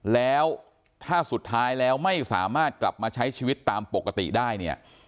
แล้วถ้าสุดท้ายแล้วไม่สามารถกลับมาใช้ชีวิตตามปกติได้เนี่ย